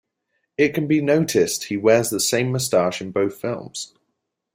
It can be noticed he wears the same mustache in both films.